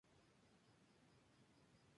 El territorio es cubierto de bosque.